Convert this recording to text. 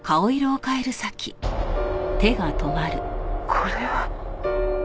これは。